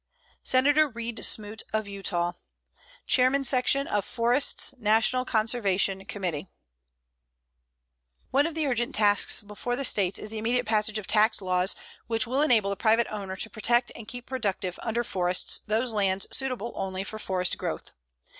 SENATOR REED SMOOT, of Utah, Chairman Section of Forests, National Conservation Commission: One of the urgent tasks before the States is the immediate passage of tax laws which will enable the private owner to protect and keep productive under forest those lands suitable only for forest growth.